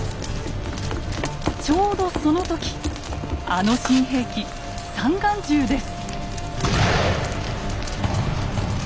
ちょうどその時あの新兵器三眼銃です。